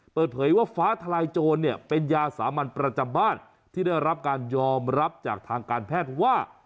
เปิดเผยว่าฟ้าทลายโจรเนี่ยเป็นยาสามัญประจำบ้านที่ได้รับการยอมรับจากทางการแพทย์ว่า